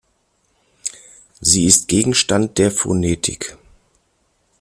Sie ist Gegenstand der Phonetik.